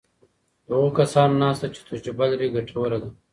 د هغو کسانو ناسته چې تجربه لري ګټوره ده.